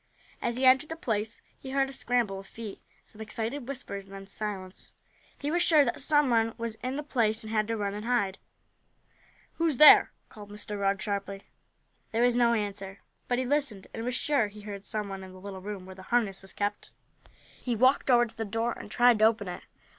As he entered the place he heard a scramble of feet, some excited whispers, and then silence. He was sure that some one was in the place and had run to hide. "Who's there?" called Mr. Rugg sharply. There was no answer, but he listened and was sure he heard some one in the little room where the harness was kept. He walked over to the door, and tried to open it.